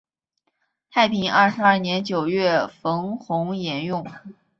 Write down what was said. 太平二十二年九月冯弘沿用。